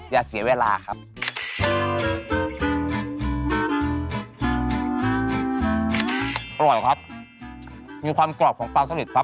แล้วก็ความหนุ่มของซื่นสปาเก็ตตี้ครับ